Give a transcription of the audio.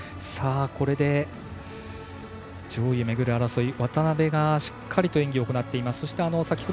これで上位を巡る争い渡部がしっかりと演技を行っています。